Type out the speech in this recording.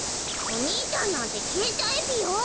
お兄ちゃんなんてきえちゃえぴよ。